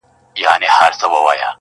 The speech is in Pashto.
چي څرنگه تصوير به مصور ته په لاس ورسي,